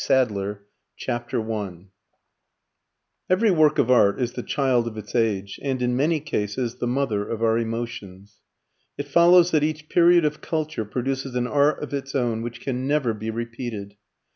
INTRODUCTION Every work of art is the child of its age and, in many cases, the mother of our emotions. It follows that each period of culture produces an art of its own which can never be repeated.